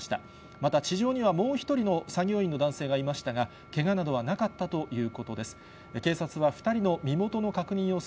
また地上にはもう１人の作業員の男性がいましたが、けがなどはなかったということです。